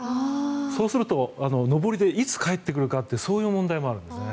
そうすると上りでいつ帰ってくるかというそういう問題もあるんですね。